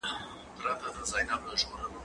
زه به اوږده موده لوښي وچولي وم؟